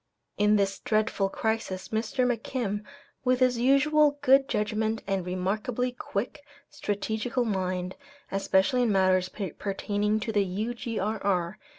In this dreadful crisis Mr. McKim, with his usual good judgment and remarkably quick, strategical mind, especially in matters pertaining to the U.G.R.R.